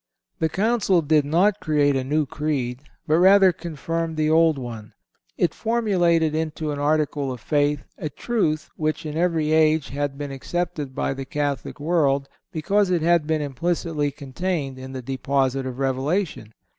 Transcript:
The Council did not create a new creed, but rather confirmed the old one. It formulated into an article of faith a truth which in every age had been accepted by the Catholic world because it had been implicitly contained in the deposit of revelation.